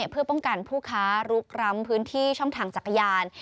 เพื่อป้องกันผู้ค้าลุกร้ำพื้นที่ช่องทางจักรยาน